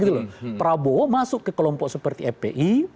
prabowo masuk ke kelompok seperti fpi